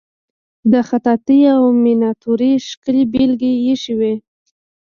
د خطاطی او میناتوری ښکلې بیلګې ایښې وې.